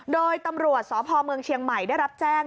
โดยตำรวจสพเมืองเชียงใหม่ได้รับแจ้ง